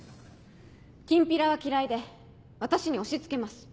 キンピラは嫌いで私に押し付けます。